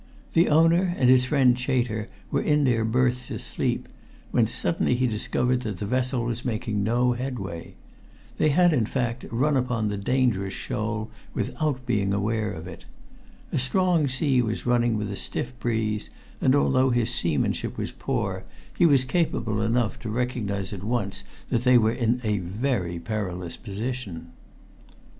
The owner and his friend Chater were in their berths asleep, when suddenly he discovered that the vessel was making no headway. They had, in fact, run upon the dangerous shoal without being aware of it. A strong sea was running with a stiff breeze, and although his seamanship was poor, he was capable enough to recognize at once that they were in a very perilous position.